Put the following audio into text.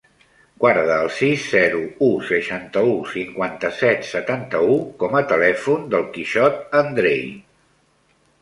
Guarda el sis, zero, u, seixanta-u, cinquanta-set, setanta-u com a telèfon del Quixot Andrei.